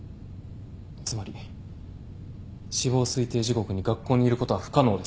つまり死亡推定時刻に学校にいることは不可能です。